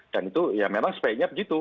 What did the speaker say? dan itu ya memang sebaiknya begitu